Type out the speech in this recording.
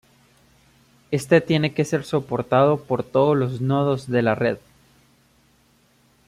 Este tiene que ser soportado por todos los nodos de la red.